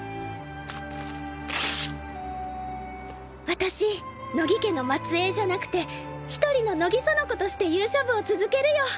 私乃木家の末裔じゃなくて一人の乃木園子として勇者部を続けるよ。